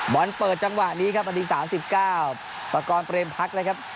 บอลเปิดจังหวะนี้ครับอันนี้๓๙ประกอบเตรียมพลักษณ์นะครับ